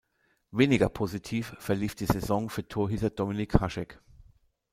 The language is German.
Weniger positiv verlief die Saison für Torhüter Dominik Hašek.